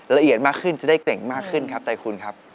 ละเอียดมากขึ้นจะได้เก่งมากขึ้นครับไตรคุณครับ